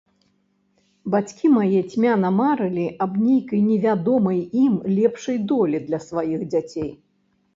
Бацькі мае цьмяна марылі аб нейкай невядомай ім лепшай долі для сваіх дзяцей.